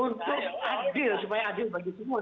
untuk adil supaya adil bagi semua